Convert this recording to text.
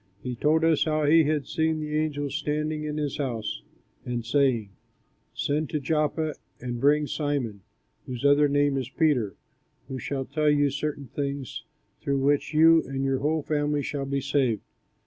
He told us how he had seen the angel standing in his house, and saying, 'Send to Joppa, and bring Simon, whose other name is Peter, who shall tell you certain things through which you and your whole family shall be saved.'